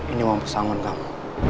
ini wampus anggun kamu